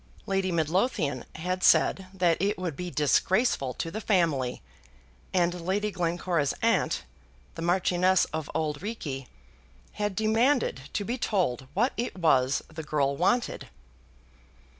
Lady Midlothian had said that it would be disgraceful to the family, and Lady Glencora's aunt, the Marchioness of Auld Reekie, had demanded to be told what it was the girl wanted.